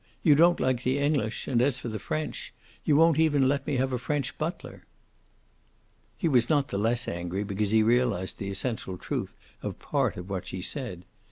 You don't like the English, and as for French you don't even let me have a French butler." He was not the less angry because he realized the essential truth of part of what she said.